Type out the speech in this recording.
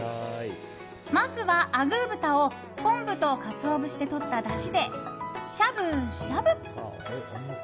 まずは、あぐー豚を昆布とカツオ節でとっただしでしゃぶしゃぶ。